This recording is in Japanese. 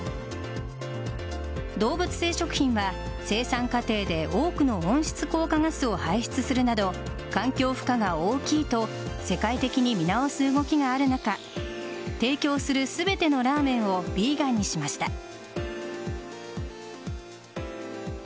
動物性食品は生産過程で多くの温室効果ガスを排出するなど環境負荷が大きいと世界的に見直す動きがある中提供する全てのラーメンをヴィーガンにしました。